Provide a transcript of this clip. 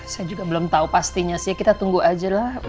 saya juga belum tahu pastinya sih kita tunggu aja lah